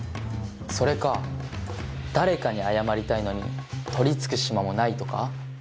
それか誰かに謝りたいのに取り付く島もないとか？